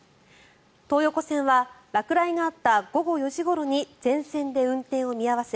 東横線は落雷があった午後４時ごろに全線で運転を見合わせ